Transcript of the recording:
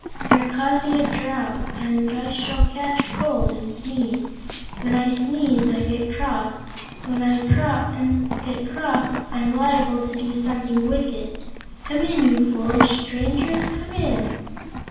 You're causing a draught, and I shall catch cold and sneeze. When I sneeze, I get cross, and when I get cross I'm liable to do something wicked. Come in, you foolish strangers; come in!"